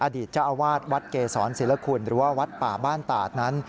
อดีตเจ้าอาวาสวัดเกษรศิลคุณหรือว่าวัดป่าบ้านตาดนั้น